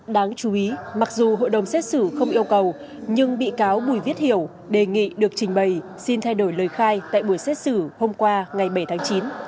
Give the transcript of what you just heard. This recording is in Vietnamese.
đáng chú ý mặc dù hội đồng xét xử không yêu cầu nhưng bị cáo bùi viết hiểu đề nghị được trình bày xin thay đổi lời khai tại buổi xét xử hôm qua ngày bảy tháng chín